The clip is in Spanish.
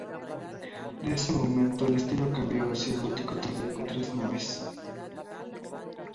De este modo, el estilo cambió hacia el gótico tardío con tres naves.